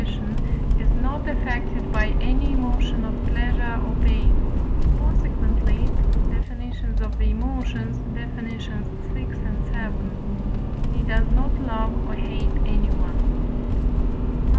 is not affected by any emotion of pleasure or pain, consequently (Def. of the Emotions, vi. vii.) he does not love or hate anyone. PROP.